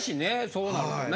そうなるとね。